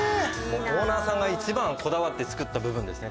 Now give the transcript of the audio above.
オーナーさんが一番こだわって造った部分ですね。